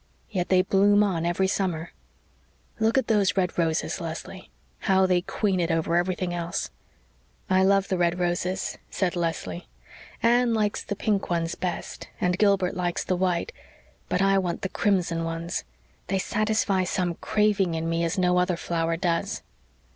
Yet they bloom on every summer. Look at those red roses, Leslie how they queen it over everything else!" "I love the red roses," said Leslie. "Anne likes the pink ones best, and Gilbert likes the white. But I want the crimson ones. They satisfy some craving in me as no other flower does."